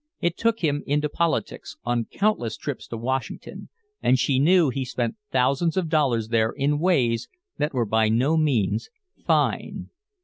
It took him into politics, on countless trips to Washington, and she knew he spent thousands of dollars there in ways that were by no means "fine."